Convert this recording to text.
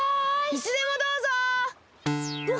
いつでもどうぞ！